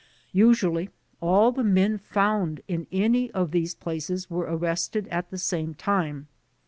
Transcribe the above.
* Usually all the men found in any of these places were arrested at the same time.